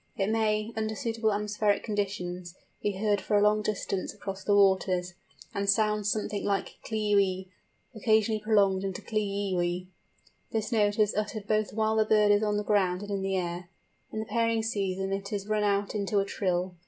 It may, under suitable atmospheric conditions, be heard for a long distance across the wastes, and sounds something like klee wee, occasionally prolonged into klee ee wee. This note is uttered both while the bird is on the ground and in the air. In the pairing season it is run out into a trill.